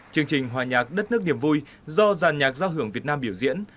chương trình hòa nhạc đất nước niềm vui do giàn nhạc giao hưởng việt nam biểu diễn